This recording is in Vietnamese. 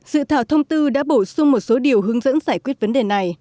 dự thảo thông tư đã bổ sung một số điều hướng dẫn giải quyết vấn đề này